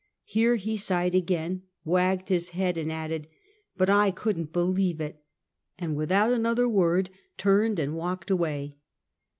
Here he sighed again, wagged his head, and added: "But I couldn't believe it!" and without another word turned and walked away.